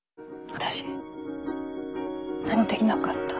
私何もできなかった。